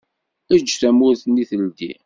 Eǧǧ tawwurt-nni teldi.